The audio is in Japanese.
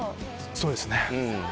そうですね。